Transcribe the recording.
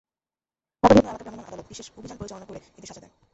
ঢাকার বিভিন্ন এলাকায় ভ্রাম্যমাণ আদালত বিশেষ অভিযান পরিচালনা করে এদের সাজা দেন।